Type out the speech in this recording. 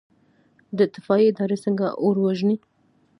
د اطفائیې اداره څنګه اور وژني؟